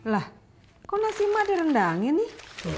lah kok nasi mak di rendangin nih